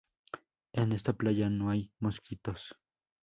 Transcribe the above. En esta playa no hay mosquitos.